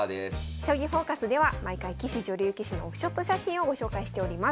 「将棋フォーカス」では毎回棋士女流棋士のオフショット写真をご紹介しております。